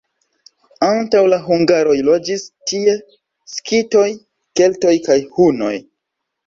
Antaŭ la hungaroj loĝis tie skitoj, keltoj kaj hunoj.